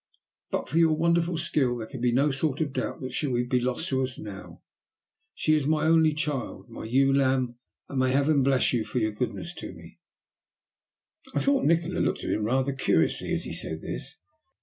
"But for your wonderful skill there can be no sort of doubt that she would be lost to us now. She is my only child, my ewe lamb, and may Heaven bless you for your goodness to me." I thought that Nikola looked at him rather curiously as he said this.